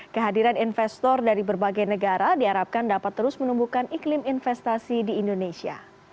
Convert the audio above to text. kehadiran investor dari berbagai negara diharapkan dapat terus menumbuhkan iklim investasi di indonesia